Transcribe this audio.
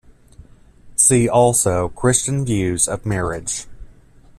See also Christian views of marriage.